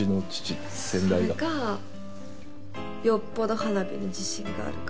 それかよっぽど花火に自信があるか。